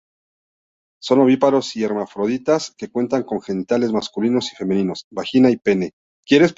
Son ovíparos y hermafroditas, que cuentan con genitales masculinos y femeninos: vagina y pene.